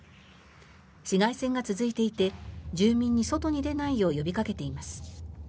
市街戦が続いていて住民に外に出ないよう呼びかけています。